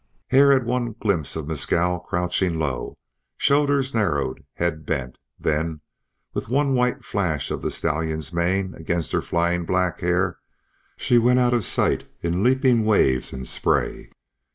Hare had one glimpse of Mescal crouching low, shoulders narrowed and head bent; then, with one white flash of the stallion's mane against her flying black hair, she went out of sight in leaping waves and spray.